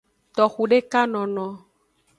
Toxudekanono.